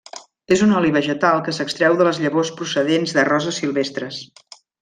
És un oli vegetal que s'extreu de les llavors procedents de roses silvestres.